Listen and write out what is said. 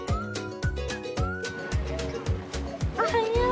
おはよう！